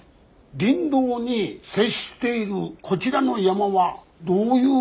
林道に接しているこちらの山はどういう山ですか？